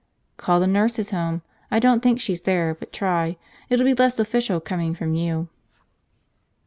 "Call the nurses' home. I don't think she's there, but try, It'll be less official, coming from you."